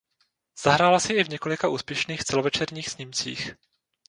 Zahrála si i v několika úspěšných celovečerních snímcích.